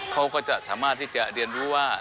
เขาก็จะสามารถที่จะเรียนรู้ว่า